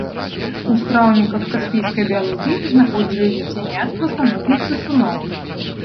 У страўніках каспійскай бялугі знаходзілі дзіцянят ластаногіх сысуноў.